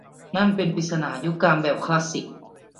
นั่นเป็นปริศนายุคกลางแบบคลาสสิก